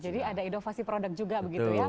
jadi ada inovasi produk juga begitu ya